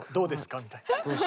みたいな。